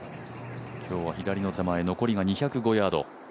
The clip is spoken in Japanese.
今日は左の手前、残りが２０５ヤード。